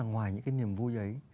ngoài những cái niềm vui ấy